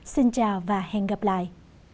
xin chào và hẹn gặp lại